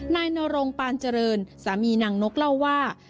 นายนรงปานเจริญสามีนางนกเล่าว่า